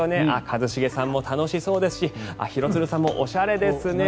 一茂さんも楽しそうですし廣津留さんもおしゃれですね。